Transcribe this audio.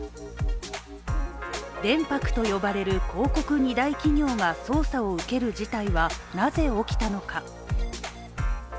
電・博と呼ばれる広告２大企業が捜査を受ける事態はなぜ起きたのか。